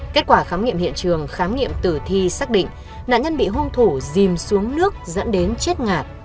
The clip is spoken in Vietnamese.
kết quả khám nghiệm hiện trường khám nghiệm tử thi xác định nạn nhân bị hôn thủ dìm xuống nước dẫn đến chết ngạt